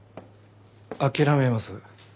諦めます。